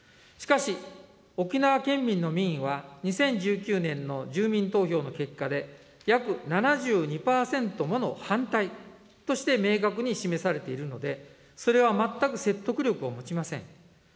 しかし、沖縄県民の民意は２０１９年の住民投票の結果で、約７２％もの反対として明確に示されているので、それは全く説得力を持ちません。